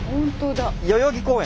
代々木公園。